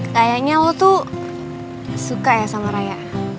kayaknya lo tuh suka ya sama raya